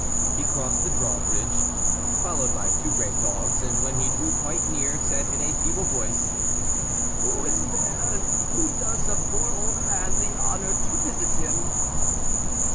He crossed the drawbridge, followed by two great dogs, and when he drew quite near, said in a feeble voice, "Who is there, and who does a poor old man the honor to visit him?"